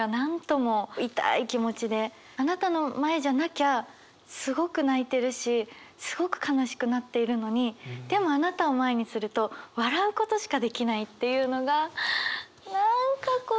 あなたの前じゃなきゃすごく泣いてるしすごく悲しくなっているのにでもあなたを前にすると笑う事しかできないっていうのが何かこう。